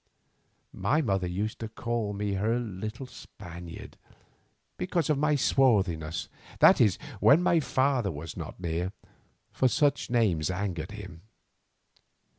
My mother used to call me her little Spaniard, because of my swarthiness, that is when my father was not near, for such names angered him.